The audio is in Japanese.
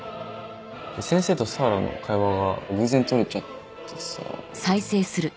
で先生と栖原の会話が偶然撮れちゃってさぁ。